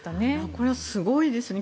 これはすごいですね。